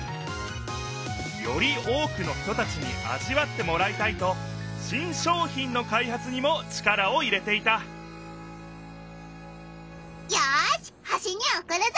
より多くの人たちにあじわってもらいたいと新商品の開発にも力を入れていたよし星におくるぞ！